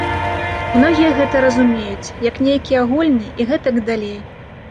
Многія гэта разумеюць, як нейкія гульні і гэтак далей.